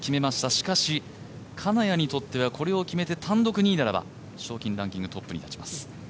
しかし、金谷にとってはこれを決めて単独２位ならば賞金ランキングトップに立ちます。